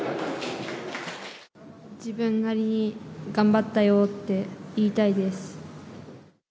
自分なりに頑張ったよって言いたいです。